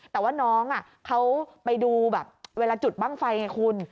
แต่ว่าน้องเขาไปดูแบบเวลาจุดบ้างไฟไงคุณ